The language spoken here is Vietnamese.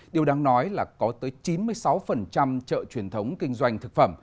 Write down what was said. điều đáng nói là có tới chín mươi sáu chợ truyền thống kinh doanh thực phẩm